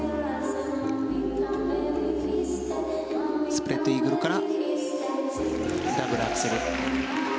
スプレッドイーグルからダブルアクセル。